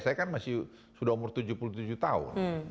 saya kan masih sudah umur tujuh puluh tujuh tahun